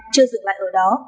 chưa dừng lại ở đó